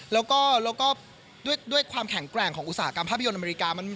แล้วก็ด้วยความแข็งแกร่งของอุตสาหกรรมภาพยนตอเมริกา